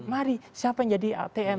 mari siapa yang jadi atm